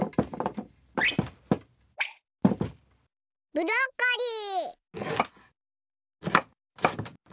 ブロッコリー！